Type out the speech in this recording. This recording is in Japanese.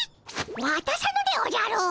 わたさぬでおじゃるっ！